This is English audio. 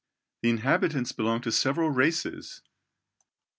The inhabitants belong to several races.